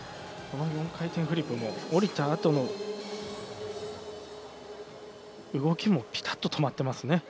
この４回転フリップも降りたあとの動きもピタッと止まっていますね。